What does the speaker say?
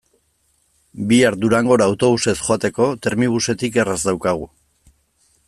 Bihar Durangora autobusez joateko Termibusetik erraz daukagu.